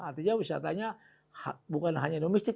artinya wisatanya bukan hanya domestik